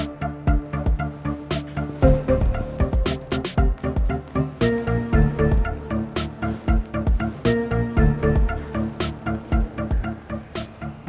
gak ada apa